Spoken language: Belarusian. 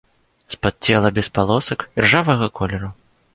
Спод цела без палосак, іржавага колеру.